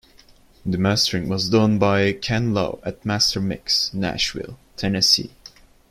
The mastering was done by Ken Love at MasterMix, Nashville, Tennessee.